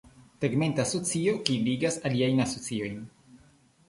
Tegmenta asocio, kiu ligas aliajn asociojn.